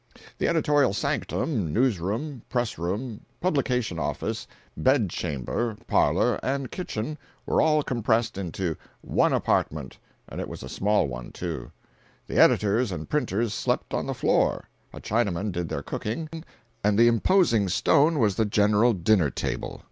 The editorial sanctum, news room, press room, publication office, bed chamber, parlor, and kitchen were all compressed into one apartment and it was a small one, too. The editors and printers slept on the floor, a Chinaman did their cooking, and the "imposing stone" was the general dinner table.